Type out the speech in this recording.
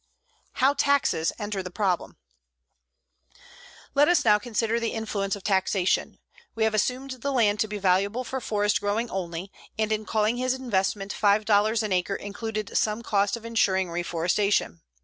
HOW TAXES ENTER THE PROBLEM Let us now consider the influence of taxation. We have assumed the land to be valuable for forest growing only, and in calling his investment $5 an acre included some cost of insuring reforestation.